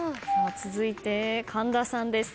続いて神田さんです。